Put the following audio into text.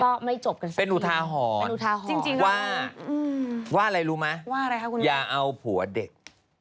อืมนะเป็นอุทาหอนว่าว่าอะไรรู้ไหมอย่าเอาผัวเด็ก